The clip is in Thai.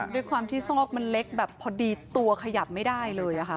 ด้วยความที่ซอกมันเล็กแบบพอดีตัวขยับไม่ได้เลยค่ะ